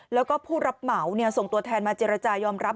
แล้วก็ผู้รับเหมาส่งตัวแทนมาเจรจายอมรับ